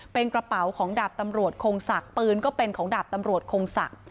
เป็นกระเป๋าของดาบตำรวจคงศักดิ์ปืนก็เป็นของดาบตำรวจคงศักดิ์